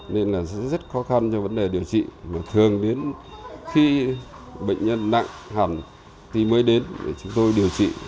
nên là rất khó khăn cho vấn đề điều trị và thường đến khi bệnh nhân nặng hẳn thì mới đến để chúng tôi điều trị